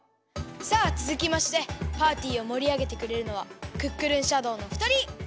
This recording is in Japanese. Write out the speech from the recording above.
さあつづきましてパーティーをもりあげてくれるのはクックルンシャドーのふたり！